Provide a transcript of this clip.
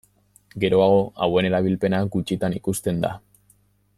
Geroago hauen erabilpena gutxitan ikusten da.